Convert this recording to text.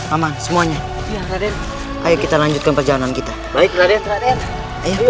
aman semuanya ayo kita lanjutkan perjalanan kita baik baik ayo ayo